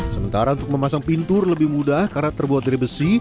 sementara untuk memasang pintur lebih mudah karena terbuat dari besi